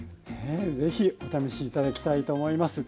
是非お試し頂きたいと思います。